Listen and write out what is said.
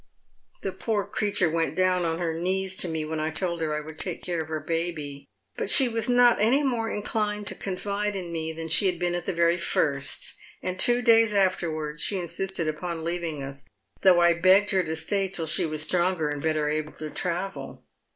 The poor creatui a went down on her knees to me when I told lier that I would take care of her baby, but she was not any more inclined to confido in me than she had been at the veiy first ; and two days after wards she insisted upon leaving us, though I begged her to stay till she was stronger and better able to travel.